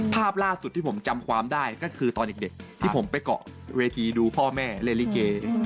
ภาพล่าสุดที่ผมจำความได้ก็คือตอนเด็กที่ผมไปเกาะเวทีดูพ่อแม่เล่นลิเก